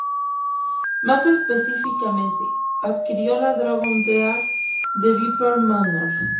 Más específicamente, adquirió la "Dragon Tear" de "Viper Manor".